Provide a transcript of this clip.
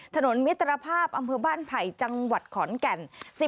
มิตรภาพอำเภอบ้านไผ่จังหวัดขอนแก่น